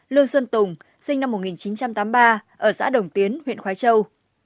lương xuân tùng sinh năm một nghìn chín trăm tám mươi ba ở xã đồng tiến huyện khói châu